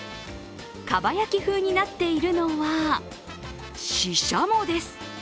かば焼き風になっているのはししゃもです。